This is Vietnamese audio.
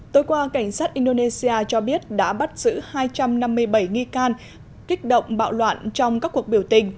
tối qua cảnh sát indonesia cho biết đã bắt giữ hai trăm năm mươi bảy nghi can kích động bạo loạn trong các cuộc biểu tình